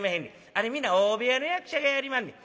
あれ皆大部屋の役者がやりまんねん。